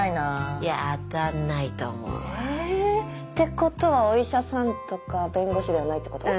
いや当たんないと思うわ。ってことはお医者さんとか弁護士ではないってこと？